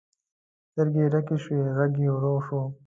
سترګې یې ډکې شوې، غږ یې ورو شو.